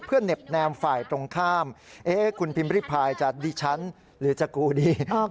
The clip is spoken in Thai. เพื่อเน็บแนมฝ่ายตรงข้ามคุณพิมพิริพายจะดิฉันหรือจะกูดี